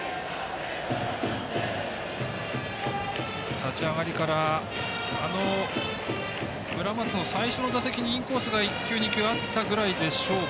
立ち上がりから村松の最初の打席にインコースが１球２球あったぐらいでしょうか。